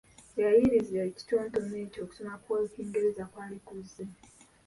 Weyayiiyiza ekitontome ekyo okusoma kw’Ekingereza kwali kuzze.